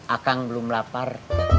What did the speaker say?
aku belum lapar